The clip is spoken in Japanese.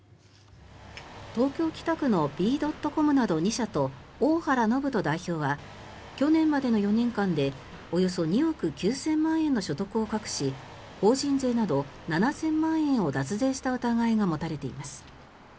東京・北区のＢ．ＣＯＭなど２社と大原信人代表は去年までの４年間でおよそ２億９０００万円の所得を隠し法人税など７０００万円を脱税した疑いが持たれています。